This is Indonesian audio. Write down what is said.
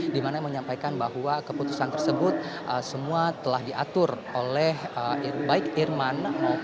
dimana menyampaikan bahwa keputusan tersebut semua telah diatur oleh baik irman